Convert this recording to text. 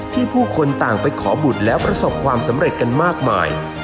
ผู้คนต่างไปขอบุตรแล้วประสบความสำเร็จกันมากมาย